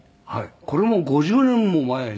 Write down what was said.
これも５０年も前に。